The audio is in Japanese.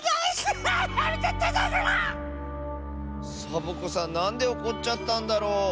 サボ子さんなんでおこっちゃったんだろう。